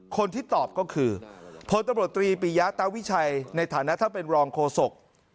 คนที่ตอบก็คือพตปรียตาวิชัยในฐานะท่านเป็นรองโคศก